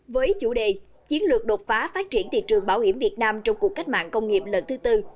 với chủ đề chiến lược đột phá phát triển thị trường bảo hiểm việt nam trong cuộc cách mạng công nghiệp lần thứ tư